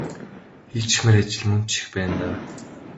Хийчихмээр ажил мөн ч их байна даа.